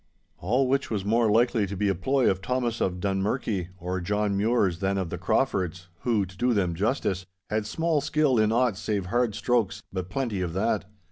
All which was more likely to be a ploy of Thomas of Drummurchie or John Mure's than of the Craufords—who, to do them justice, had small skill in aught save hard strokes, but plenty of that.